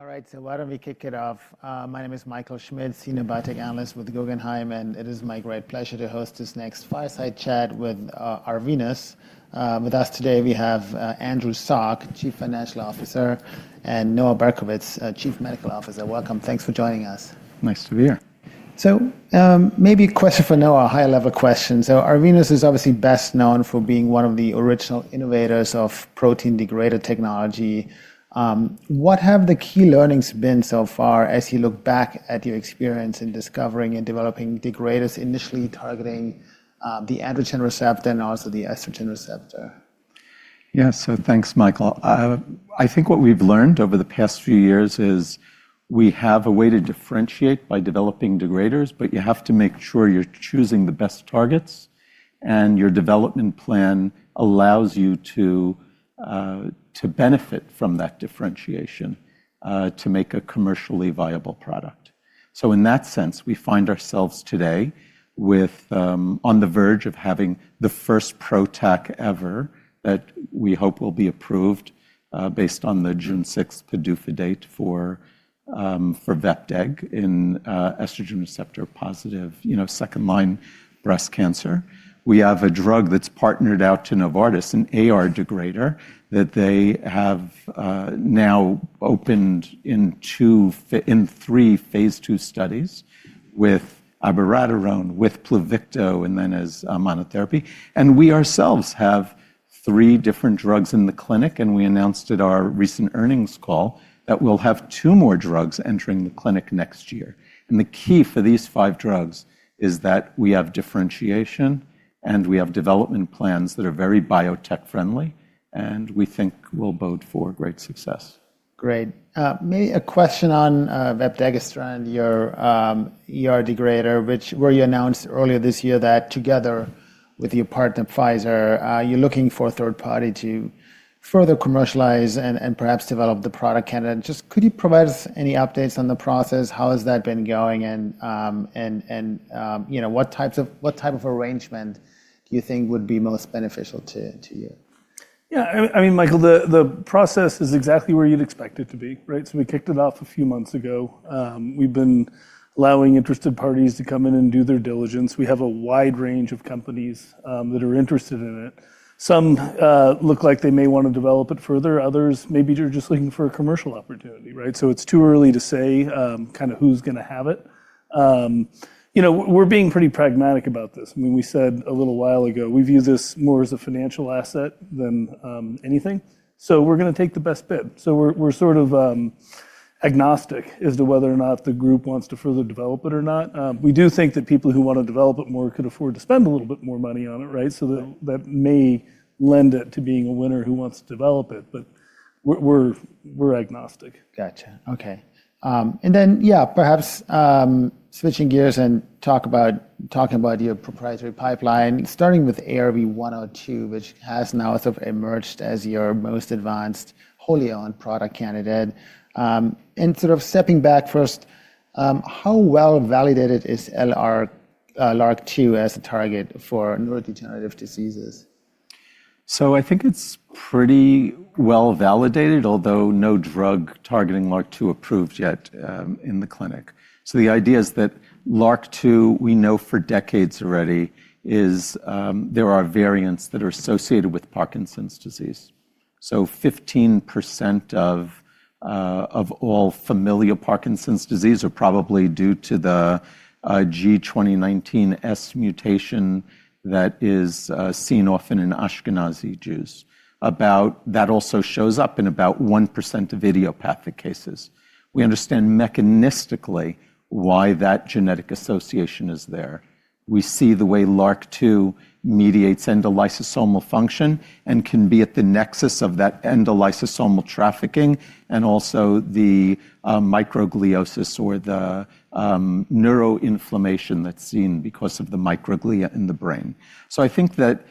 All right, so why don't we kick it off? My name is Michael Schmidt, Senior Biotech Analyst with Guggenheim, and it is my great pleasure to host this next fireside chat with Arvinas. With us today we have Andrew Saik, Chief Financial Officer, and Noah Berkowitz, Chief Medical Officer. Welcome. Thanks for joining us. Nice to be here. Maybe a question for Noah, a higher level question. Arvinas is obviously best known for being one of the original innovators of protein degrader technology. What have the key learnings been so far? As you look back at your experience in discovering and developing degraders initially targeting the androgen receptor and also the estrogen receptor. Yeah. Thanks, Michael. I think what we've learned over the past few years is we have a way to differentiate by developing degraders, but you have to make sure you're choosing the best targets and your development plan allows you to benefit from that differentiation to make a commercially viable product. In that sense, we find ourselves today on the verge of having the first PROTAC ever that we hope will be approved based on the June 6th PDUFA date for vepdegestrant in estrogen receptor positive second line breast cancer. We have a drug that's partnered out to Novartis, an AR degrader that they have now opened in three phase II studies with abiraterone, with PLUVICTO, and then as monotherapy. We ourselves have three different drugs in the clinic. We announced at our recent earnings call that we'll have two more drugs entering the clinic next year. The key for these five drugs is, is that we have differentiation and we have development plans that are very biotech friendly and we think will bode for great success. Great. A question on vepdegestrant, your ER degrader, which you announced earlier this year that together with your partner Pfizer, you're looking for a third party to further commercialize and perhaps develop the product candidate. Just could you provide us any updates on the process? How has that been going? What type of a range do you think would be most beneficial to you? Yeah, I mean, Michael, the process is exactly where you'd expect it to be. Right. We kicked it off a few months ago. We've been allowing interested parties to come in and do their diligence. We have a wide range of companies that are interested in it. Some look like they may want to develop it further, others maybe they're just looking for a commercial opportunity. Right. It's too early to say, kind of who's going to have it. You know, we're being pretty pragmatic about this. I mean, we said a little while ago we view this more as a financial asset than anything, so we're going to take the best bid. We're sort of agnostic as to whether or not the group wants to further develop it or not. We do think that people who want to develop it more could afford to spend a little bit more money on it. Right. That may lend it to being a winner who wants to develop it, but we're agnostic. Gotcha. Okay. And then, yeah, perhaps switching gears and talking about your proprietary pipeline, starting with ARV-102, which has now emerged as your most advanced wholly owned product candidate. And sort of stepping back. First, how well validated is LRRK2 as a target for neurodegenerative diseases? I think it's pretty well validated, although no drug targeting LRRK2 approved yet in the clinic. The idea is that LRRK2, we know for decades already, is there are variants that are associated with Parkinson's disease. Fifteen percent of all familial Parkinson's disease are probably due to the G2019S mutation that is seen often in Ashkenazi Jews. That also shows up in about 1% of idiopathic cases. We understand mechanistically why that genetic association is there. We see the way LRRK2 mediates endolysosomal function and can be at the nexus of that endolysosomal trafficking and also the microgliosis or the neuroinflammation that's seen because of the microglia in the brain. I think that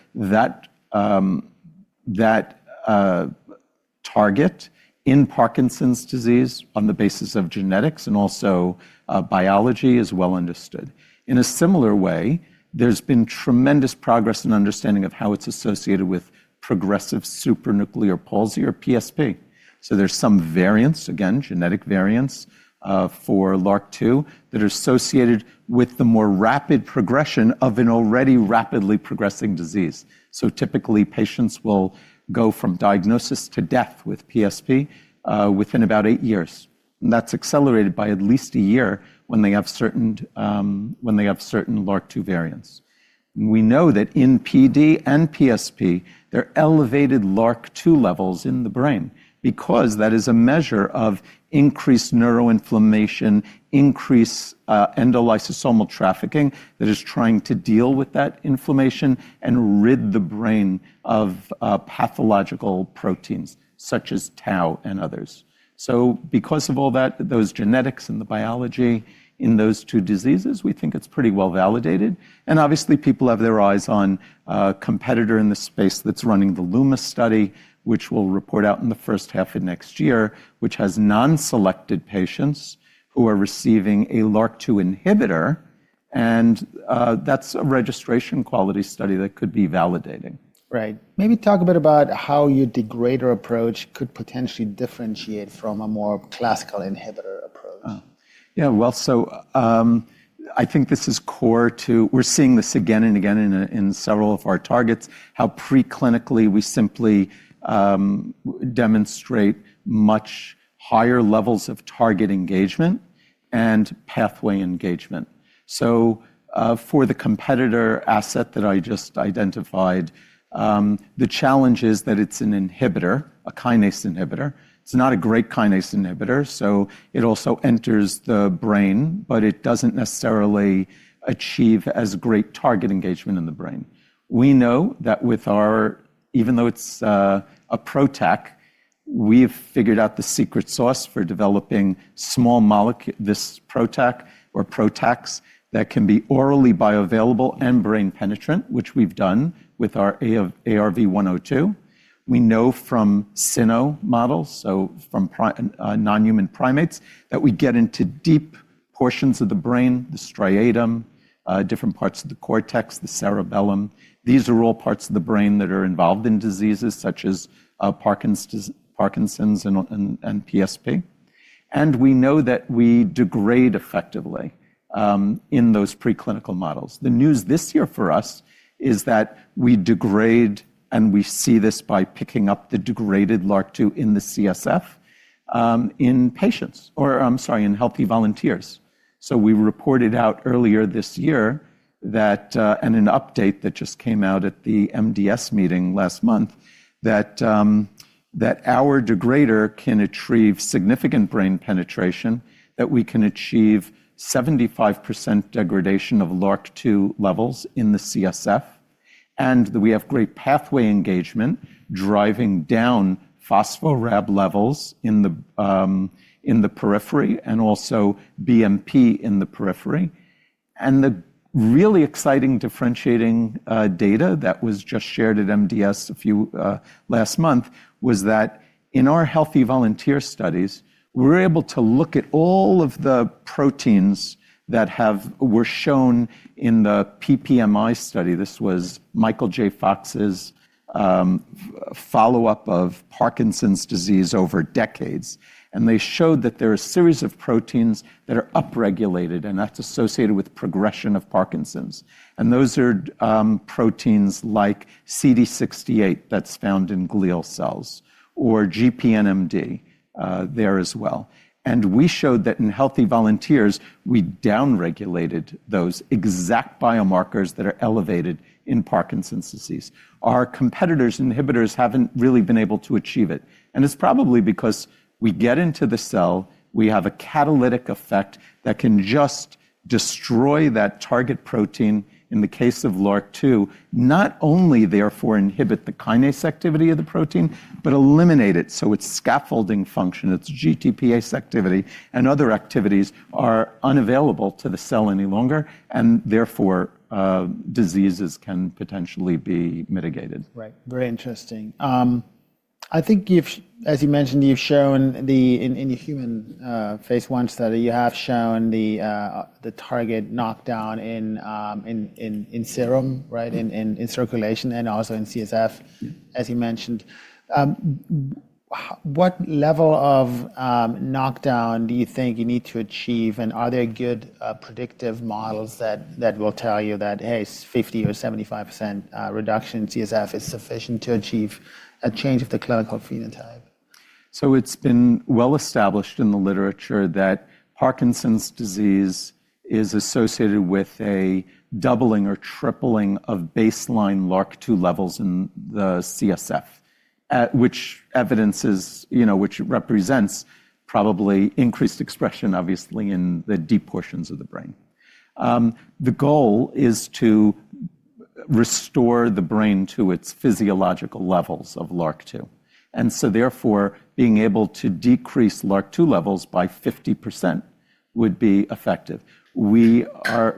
target in Parkinson's disease, on the basis of genetics and also biology, is well understood. In a similar way, there's been tremendous progress in understanding of how it's associated with Progressive Supranuclear Palsy or PSP. There's some variants, again genetic variants for LRRK2 that are associated with the more rapid progression of an already rapidly progressing disease. Typically, patients will go from diagnosis to death with PSP within about eight years. That's accelerated by at least a year when they have certain LRRK2 variants. We know that in PD and PSP there are elevated LRRK2 levels in the brain because that is a measure of increased neuroinflammation, increased endolysosomal trafficking that is trying to deal with that inflammation and rid the brain of pathological proteins such as tau and others. Because of all that, those genetics and the biology in those two diseases, we think it's pretty well validated. Obviously people have their eyes on a competitor in the space that's running the LUMA study, which will report out in the first half of next year, which has non-selected patients who are receiving a LRRK2 inhibitor. That is a registration quality study that could be validating. Right. Maybe talk a bit about how your degrader approach could potentially differentiate from a more classical inhibitor approach. Yeah, I think this is core to we're seeing this again and again in several of our targets, how preclinically we simply demonstrate much higher levels of target engagement and pathway engagement. For the competitor asset that I just identified, the challenge is that it's an inhibitor, a kinase inhibitor. It's not a great kinase inhibitor. It also enters the brain, but it doesn't necessarily achieve as great target engagement in the brain. We know that with our, even though it's a PROTAC, we've figured out the secret sauce for developing small molecules, this PROTAC or PROTACs that can be orally bioavailable and brain penetrant, which we've done with our ARV-102. We know from cyno models, so from non-human primates, that we get into deep portions of the brain, the striatum, different parts of the cortex, the cerebellum. These are all parts of the brain that are involved in diseases such as Parkinson's and PSP. We know that we degrade effectively in those preclinical models. The news this year for us is that we degrade, and we see this by picking up the degraded LRRK2 in the CSF in patients, or, I'm sorry, in healthy volunteers. We reported out earlier this year that, and an update that just came out at the MDS meeting last month, that our degrader can achieve significant brain penetration, that we can achieve 75% degradation of LRRK2 levels in the CSF, and that we have great pathway engagement driving down phosphoRAB levels in the periphery and also BMP in the periphery. The really exciting differentiating data that was just shared at MDS a few months ago last month was that in our healthy volunteer studies, we were able to look at all of the proteins that were shown in the PPMI study. This was Michael J. Fox's follow up of Parkinson's disease over decades and they showed that there are a series of proteins that are upregulated and that's associated with progression of Parkinson's. Those are proteins like CD68 that's found in glial cells or GPNMD there as well. We showed that in healthy volunteers, we downregulated those exact biomarkers that are elevated in Parkinson's disease. Our competitors' inhibitors haven't really been able to achieve it. It is probably because we get into the cell, we have a catalytic effect that can just destroy that target protein. In the case of LRRK2, not only therefore inhibit the kinase activity of the protein, but eliminate it. So its scaffolding function, its GTPase activity, and other activities are unavailable to the cell any longer and therefore diseases can potentially be mitigated. Right, very interesting. I think, as you mentioned, you've shown in your human phase I study, you have shown the target knockdown in serum in circulation and also in CSF, as he mentioned. What level of knockdown do you think you need to achieve? Are there good predictive models that will tell you that hey, 50% or 75% reduction in CSF is sufficient to achieve a change of the clinical phenotype? It's been well established in the literature that Parkinson's disease is associated with a doubling or tripling of baseline LRRK2 levels in the CSF, which evidences, you know, which represents probably increased expression obviously in the deep portions of the brain. The goal is to restore the brain to its physiological levels of LRRK2 and so therefore being able to decrease LRRK2 levels by 50% would be effective. We are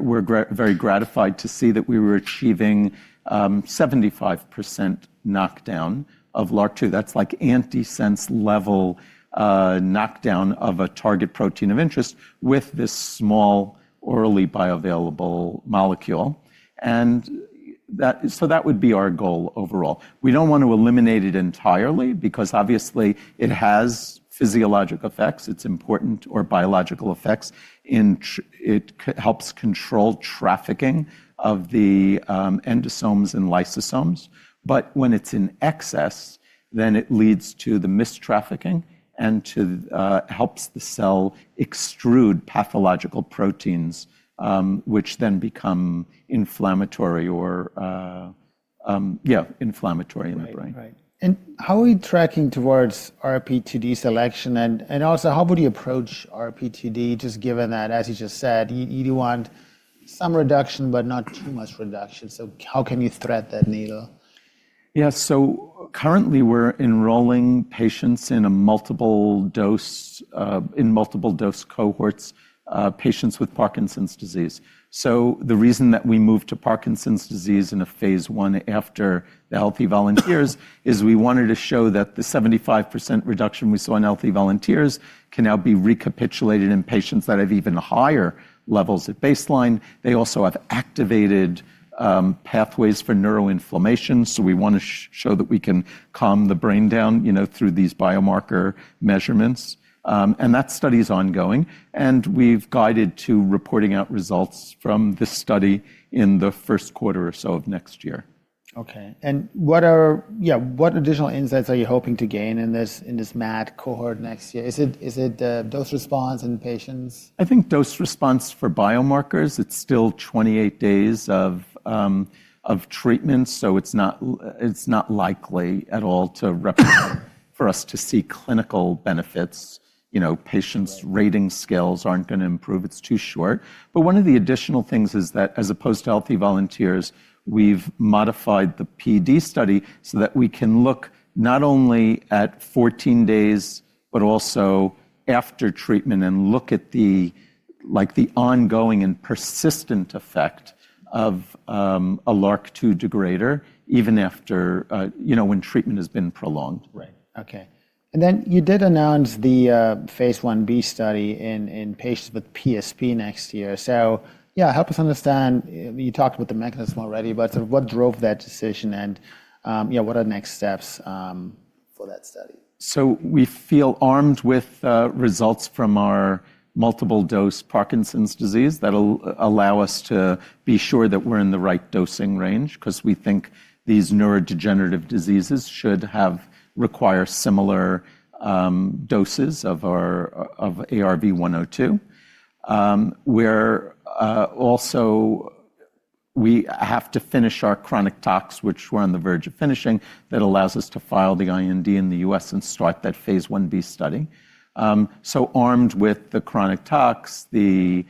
very gratified to see that we were achieving 75% knockdown of LRRK2. That's like antisense level knockdown of a target protein of interest with this small orally bioavailable molecule. That would be our goal overall. We don't want to eliminate it entirely because obviously it has physiologic effects, it's important or biological effects. It helps control trafficking of the endosomes and lysosomes. When it's in excess, then it leads to the mistrafficking and helps the cell extrude pathological proteins which then become inflammatory or, yeah, inflammatory in the brain. How are you tracking towards RP2D selection? Also, how would you approach RP2D just given that, as you just said, you do want some reduction, but not too much reduction. How can you thread that needle? Yes. Currently we're enrolling patients in multiple dose cohorts, patients with Parkinson's disease. The reason that we moved to Parkinson's disease in a phase I after the healthy volunteers is we wanted to show that the 75% reduction we saw in healthy volunteers can now be recapitulated in patients that have even higher levels at baseline. They also have activated pathways for neuroinflammation. We want to show that we can calm the brain down through these biomarker measurements. That study is ongoing and we've guided to reporting out results from this study in the first quarter or so of next year. Okay, what additional insights are you hoping to gain in this, in this MAD cohort next year? Is it dose response in patients? I think dose response for biomarkers, it's still 28 days of treatment, so it's not likely at all for us to see clinical benefits. You know, patients' rating scales aren't going to improve. It's too short. One of the additional things is that as opposed to healthy volunteers, we've modified the PD study so that we can look not only at 14 days, but also after treatment and look at the, like, the ongoing and persistent effect of a LRRK2 degrader even after, you know, when treatment has been prolonged. Right, okay. You did announce the phase I-B study in patients with PSP next year. Yeah, help us understand. You talked about the mechanism already, but what drove that decision and what are the next steps for that study? We feel armed with results from our multiple dose Parkinson's disease that allow us to be sure that we're in the right dosing range because we think these neurodegenerative diseases should require similar doses of our ARV-102. We're also, we have to finish our chronic tox, which we're on the verge of finishing. That allows us to file the IND in the U.S. and start that phase I-B study. Armed with the chronic tox, the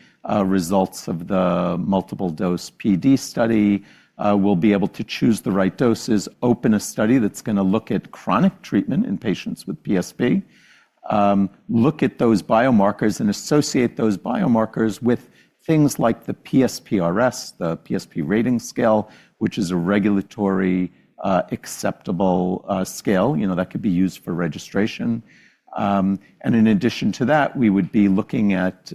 results of the multiple dose PD study, we'll be able to choose the right doses, open a study that's going to look at chronic treatment in patients with PSP, look at those biomarkers, and associate those biomarkers with things like the PSPRS, the PSP rating scale, which is a regulatory acceptable scale, you know, that could be used for registration. In addition to that, we would be looking at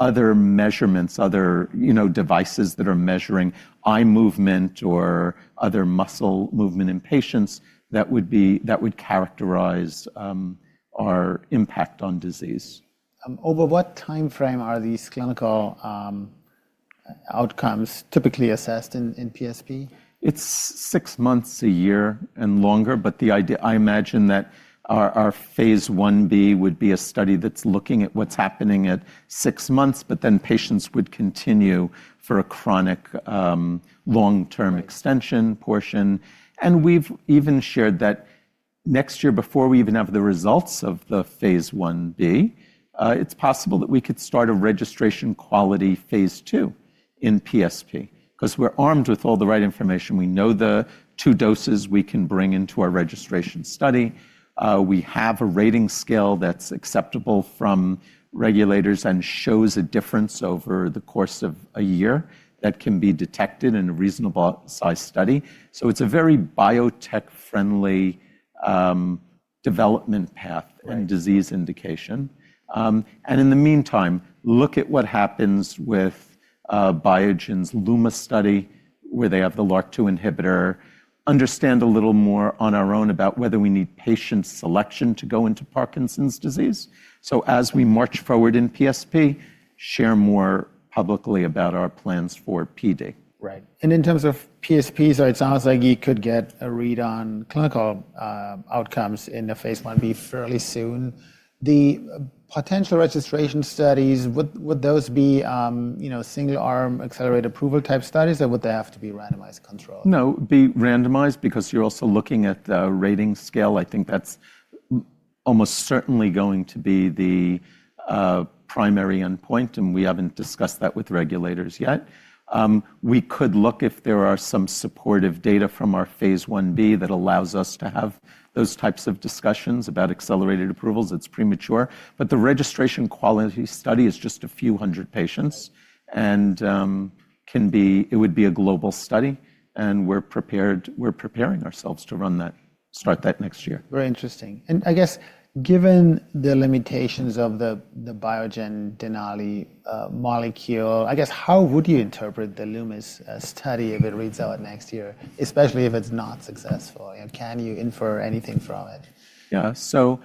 other measurements, other devices that are measuring eye movement or other muscle movement in patients that would characterize our impact on disease. Over what time frame are these clinical outcomes typically assessed in PSP? It's six months, a year and longer. I imagine that our phase I-B would be a study that's looking at what's happening at six months. Then patients would continue for a chronic long term extension portion. We've even shared that next year before we even have the results of the phase I-B, it's possible that we could start a registration quality phase II in PSP because we're armed with all the right information. We know the two doses we can bring into our registration study. We have a rating scale that's acceptable from regulators and shows a difference over the course of a year that can be detected in a reasonable size study. It's a very biotech friendly development path and disease indication. In the meantime, look at what happens with Biogen's LUMA study where they have the LRRK2 inhibitor. Understand a little more on our own about whether we need patient selection to go into Parkinson's disease. As we march forward in PSP, share more publicly about our plans for PD. Right. In terms of PSP, it sounds like you could get a read on clinical outcomes in the phase I-B fairly soon. The potential registration studies, would those be single arm accelerated approval type studies or would they have to be randomized? Controlled? No, be randomized because you're also looking at the rating scale. I think that's almost certainly going to be the primary endpoint and we haven't discussed that with regulators yet. We could look if there are some supportive data from our phase I-B that allows us to have those types of discussions about accelerated approvals. It's premature. The registration quality study is just a few hundred patients and it would be a global study and we're preparing ourselves to run that, start that next year. Very interesting. I guess given the limitations of the Biogen Denali molecule, I guess, how would you interpret the LUMA study if it reads out next year, especially if it's not successful? Can you infer anything from it? Yeah, so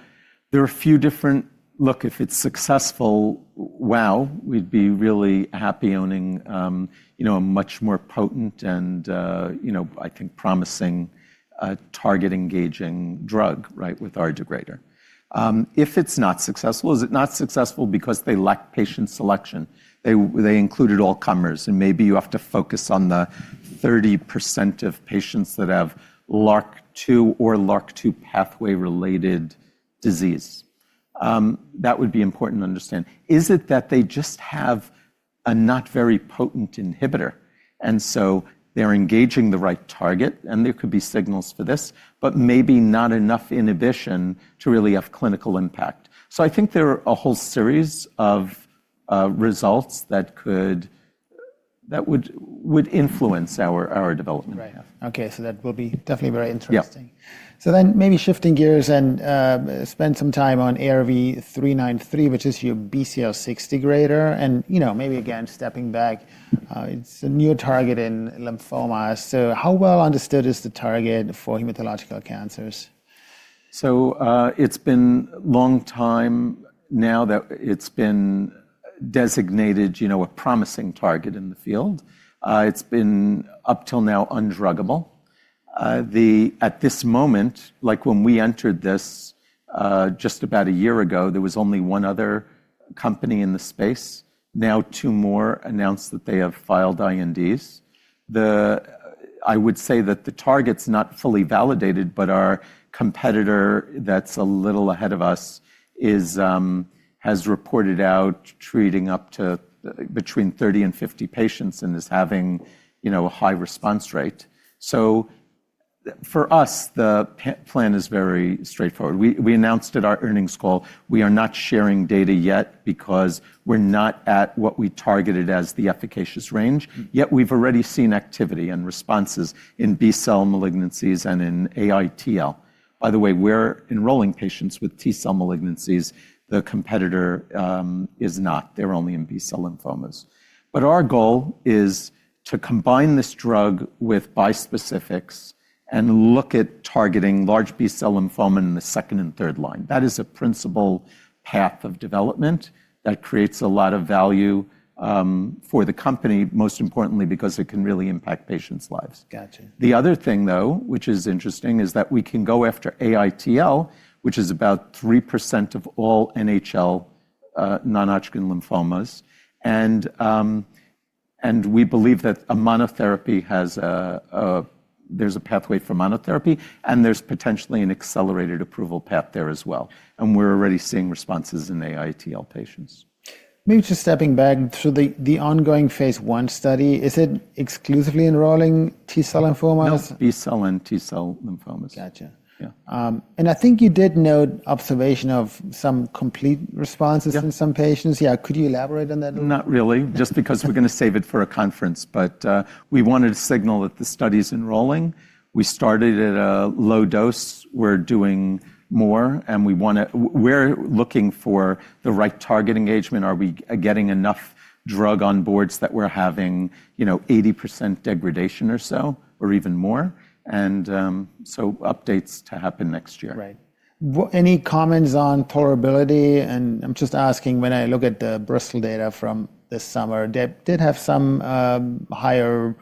there are a few different. Look, if it's successful, wow. We'd be really happy owning a much more potent and I think promising target engaging drug. Right. With R Degrader. If it's not successful, is it not successful because they lack patient selection? They included all comers and maybe you have to focus on the 30% of patients that have LRRK2 or LRRK2 pathway related disease. That would be important to understand. Is it that they just have a not very potent inhibitor and so they're engaging the right target. And there could be signals for this, but maybe not enough inhibition to really have clinical impact. I think there are a whole series of results that could, that would influence our development. Okay. That will be definitely very interesting. Maybe shifting gears and spend some time on ARV-393, which is your BCL6 degrader. Maybe against that, stepping back. It's a new target in lymphoma. How well understood is the target for hematological cancers? It's been a long time now that it's been designated, you know, a promising target in the field. It's been up till now undruggable at this moment. Like when we entered this just about a year ago, there was only one other company in the space. Now two more announced that they have filed INDs. I would say that the target's not fully validated, but our competitor, that's a little ahead of us, has reported out treating up to between 30 and 50 patients and is having, you know, a high response rate. For us, the plan is very straightforward. We announced at our earnings call, we are not sharing data yet because we're not at what we targeted as the efficacious range yet. We've already seen activity and responses in B-cell malignancies and in AITL. By the way, we're enrolling patients with T-cell malignancies. The competitor is not. They're only in B-cell lymphomas. Our goal is to combine this drug with bispecifics and look at targeting large B-cell lymphoma in the second and third line. That is a principal path of development. That creates a lot of value for the company, most importantly because it can really impact patients' lives. The other thing, though, which is interesting, is that we can go after AITL, which is about 3% of all NHL, non-Hodgkin lymphomas. We believe that a monotherapy has a pathway for monotherapy and there's potentially an accelerated approval path there as well. We're already seeing responses in AITL patients. Maybe just stepping back through the ongoing phase I study, is it exclusively enrolling? T-cell lymphomas? B-cell and T-cell lymphomas? Gotcha. Yeah. I think you did note observation of some complete responses in some patients. Yeah. Could you elaborate on that? Not really. Just because we're gonna save it for a conference, but we wanted to signal that the study's enrolling. We started at a low dose, we're doing more and we want to, we're looking for the right target engagement. Are we getting enough drug on board that we're having, you know, 80% degradation or so or even more, and so updates to happen next year. Right. Any comments on tolerability? I'm just asking when I look at the Bristol data from this summer, did have some higher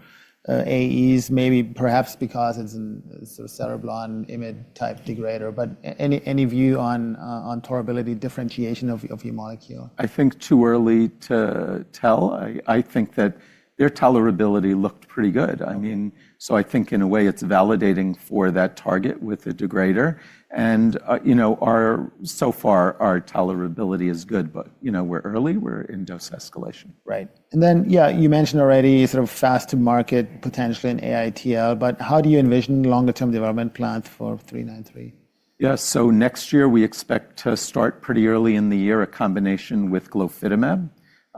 AEs, maybe perhaps because it's a cerebral image type degrader, but any view on tolerability differentiation of your molecule? I think too early to tell. I think that their tolerability looked pretty good. I mean, I think in a way it's validating for that target with a degrader. And you know, so far our tolerability is good, but you know we're early, we're in dose escalation. Right. Yeah, you mentioned already sort of fast to market potentially in AITL. How do you envision longer term development plans for 393? Yeah. Next year we expect to start pretty early in the year a combination with glofitamab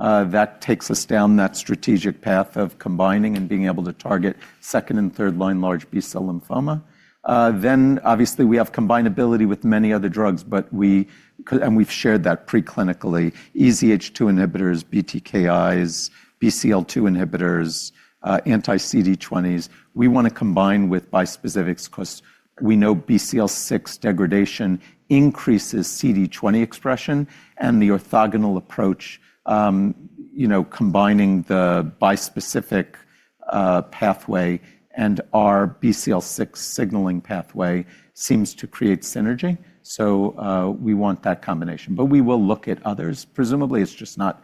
that takes us down that strategic path of combining and being able to target second and third line large B-cell lymphoma. Obviously we have combinability with many other drugs, and we've shared that preclinically. EZH2 inhibitors, BTKIs, BCL2 inhibitors, anti-CD20s, we want to combine with bispecifics because we know BCL6 degradation increases CD20 expression and the orthogonal approach combining the bispecific pathway and our BCL6 signaling pathway seems to create synergy. We want that combination, but we will look at others. Presumably it's just not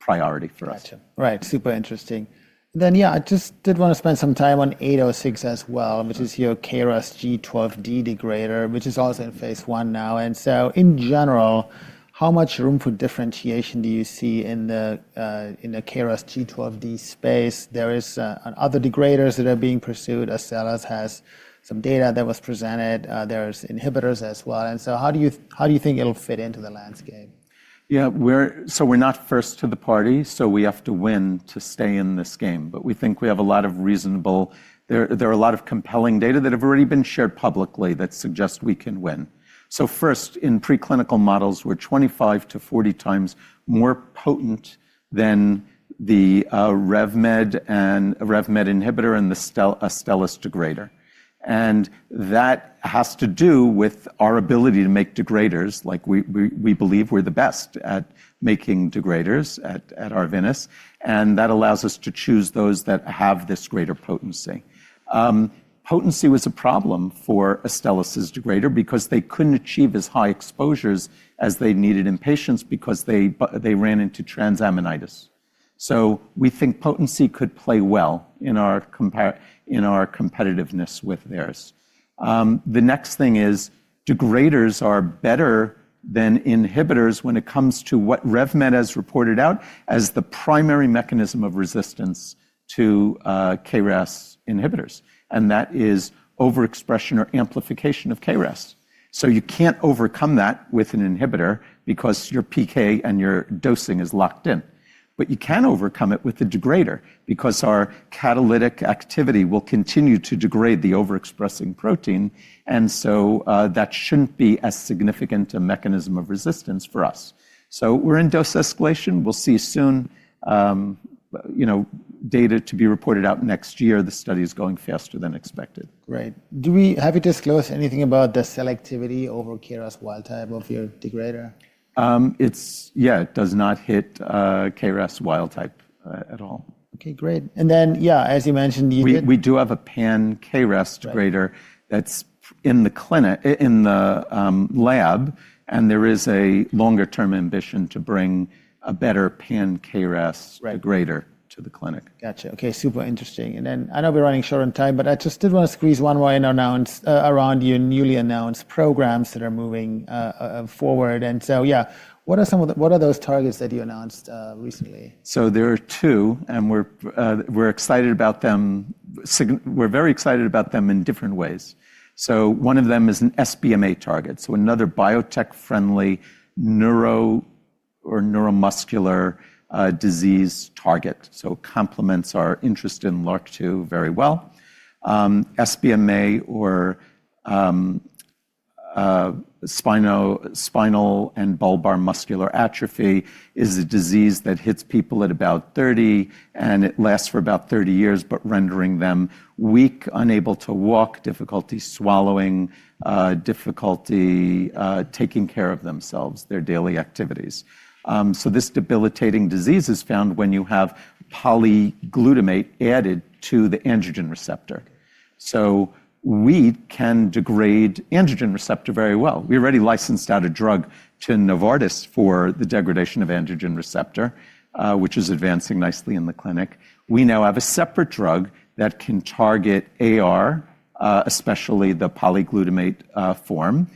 priority for us. Right, super interesting then. Yeah, I just did want to spend some time on 806 as well which is your KRAS G12D degrader which is also in phase I now. In general, how much room for differentiation do you see in the KRAS G12D space? There are other degraders that are being pursued. Astellas has some data that was presented. There are inhibitors as well. How do you think, how do you think it'll fit into the landscape? Yeah, so we're not first to the party. We have to win to stay in this game. We think we have a lot of reasonable, there are a lot of compelling data that have already been shared publicly that suggest we can win. First, in preclinical models we're 25-40 times more potent than the RevMed inhibitor and Astellas degrader. That has to do with our ability to make degraders. We believe we're the best at making degraders at Arvinas. That allows us to choose those that have this greater potency. Potency was a problem for Astellas' degrader because they couldn't achieve as high exposures as they needed in patients because they ran into transaminitis. We think potency could play well in our competitiveness with theirs. The next thing is degraders are better than inhibitors when it comes to what RevMed has reported out as the primary mechanism of resistance to KRAS inhibitors. That is overexpression or amplification of KRAS. You can't overcome that with an inhibitor because your PK and your dosing is locked in, but you can overcome it with a degrader because our catalytic activity will continue to degrade the overexpressing protein. That shouldn't be as significant a mechanism of resistance for us. We're in dose escalation. We'll see soon. Data to be reported out next year. The study is going faster than expected. Great. Have you disclosed anything about the selectivity over KRAS wild type of your degrader? Yeah, it does not hit KRAS wild type at all. Okay, great. And then yeah, as you mentioned, We do have a pan KRAS degrader that's in the clinic, in the lab. And there is a longer term ambition to bring a better pan KRAS degrader to the clinic. Gotcha. Okay, super interesting. I know we're running short on time, but I just did want to squeeze one more in, announcement around your newly announced programs that are moving forward. Yeah, what are those targets that you announced recently? There are two and we're excited about them. We're very excited about them in different ways. One of them is an SBMA target, another biotech-friendly neuro or neuromuscular disease target, so complements our interest in LRRK2 very well. SBMA, or Spinal and Bulbar Muscular Atrophy, is a disease that hits people at about 30 and it lasts for about 30 years, rendering them weak, unable to walk, difficulty swallowing, difficulty taking care of themselves, their daily activities. This debilitating disease is found when you have polyglutamine added to the androgen receptor. We can degrade androgen receptor very well. We already licensed out a drug to Novartis for the degradation of androgen receptor, which is advancing nicely in the clinic. We now have a separate drug that can target AR, especially the polyglutamine form.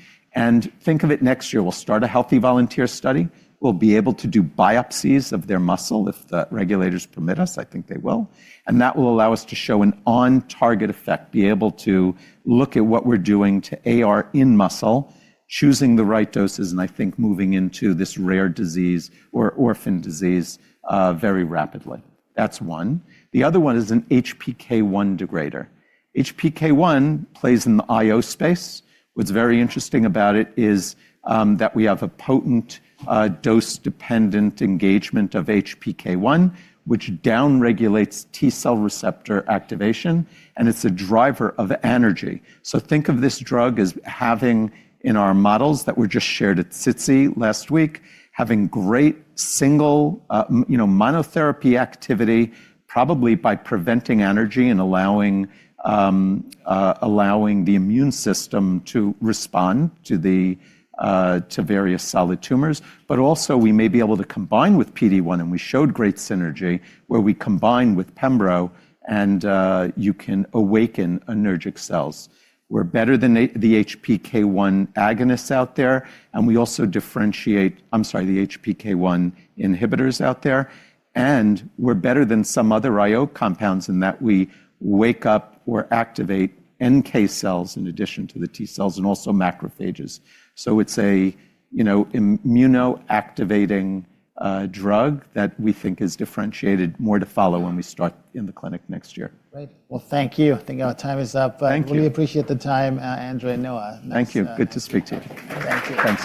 Think of it, next year we'll start a healthy volunteer study. We will be able to do biopsies of their muscle if the regulators permit us. I think they will. That will allow us to show an on target effect. We will be able to look at what we're doing to AR in muscle, choosing the right doses, and I think moving into this rare disease or orphan disease very rapidly. That's one. The other one is an HPK1 degrader. HPK1 plays in the IO space. What's very interesting about it is that we have a potent dose dependent engagement of HPK1, which down regulates T-cell receptor activation, and it's a driver of energy. Think of this drug as having, in our models that were just shared at SITC last week, great single monotherapy activity, probably by preventing anergy and allowing the immune system to respond to various solid tumors. We may be able to combine with PD-1, and we showed great synergy where we combined with pembro and you can awaken anergic cells. We are better than the HPK1 inhibitors out there, and we also differentiate—we are better than some other IO compounds in that we wake up or activate NK cells in addition to the T-cells and also macrophages. It is an immuno-activating drug that we think is differentiated. More to follow when we start in the clinic next year. Thank you. I think our time is up. I really appreciate the time. Andrew and Noah. Thank you. Good to speak to you. Thank you.